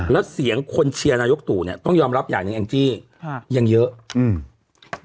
แล้วเสียงคนเชียร์นายกตู่เนี้ยต้องยอมรับอย่างหนึ่งแองจี้ค่ะยังเยอะอืม